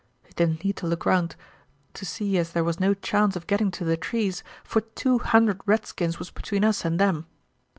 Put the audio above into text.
It didn't need to look round to see as there was no chance of getting to the trees, for two hundred redskins was between us and them.